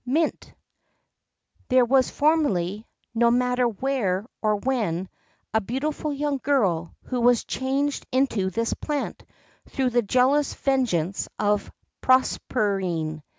[X 40] MINT. There was formerly no matter where or when a beautiful young girl, who was changed into this plant through the jealous vengeance of Proserpine.